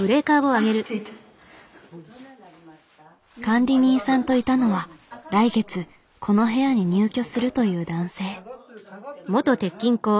管理人さんといたのは来月この部屋に入居するという男性。